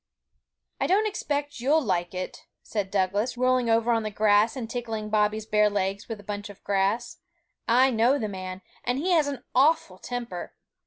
'I don't expect you'll like it,' said Douglas, rolling over on the grass and tickling Bobby's bare legs with a bunch of grass; 'I know the man, and he has an awful temper!